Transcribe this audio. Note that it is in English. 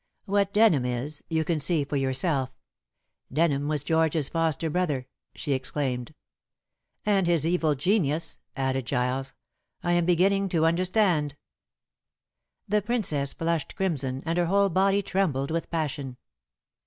What Denham is, you can see for yourself. Denham was George's foster brother," she explained. "And his evil genius," added Giles. "I am beginning to understand." The Princess flushed crimson, and her whole body trembled with passion.